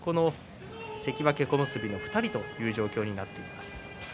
関脇小結の２人という状況になっています。